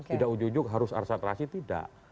tidak ujug ujug harus arsatrasi tidak